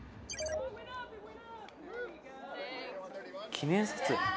記念撮影？